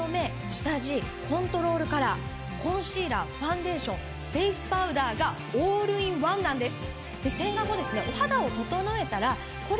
下地コントロールカラーコンシーラーファンデーションフェースパウダーがオールインワンなんです。